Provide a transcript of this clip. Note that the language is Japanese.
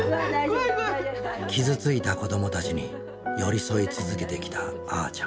傷ついた子どもたちに寄り添い続けてきたあーちゃん。